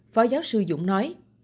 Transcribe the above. phó giáo sư dũng nói